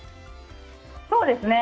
そうですね。